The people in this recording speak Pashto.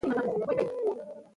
په افغانستان کې انار شتون لري.